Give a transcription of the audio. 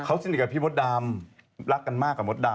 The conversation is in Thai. เขาสนิทกับพี่มดดำรักกันมากกว่ามดดำ